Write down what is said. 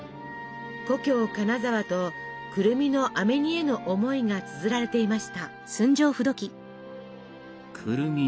故郷金沢とくるみのあめ煮への思いがつづられていました。